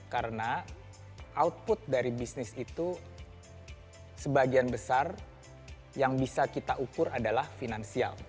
karena output dari bisnis itu sebagian besar yang bisa kita ukur adalah finansial